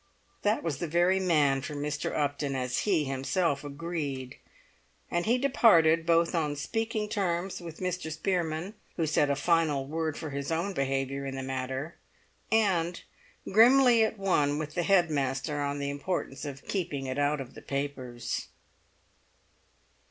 That was the very man for Mr. Upton, as he himself agreed. And he departed both on speaking terms with Mr. Spearman, who said a final word for his own behaviour in the matter, and grimly at one with the head master on the importance of keeping it out of the papers.